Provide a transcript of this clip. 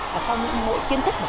sau những mỗi kiến thức đọc